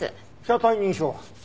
車体認証は？